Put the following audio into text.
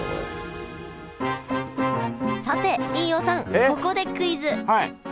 さて飯尾さんここでクイズえっはい。